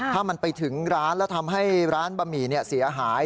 ถ้ามันไปถึงร้านแล้วทำให้ร้านบะหมี่เสียหาย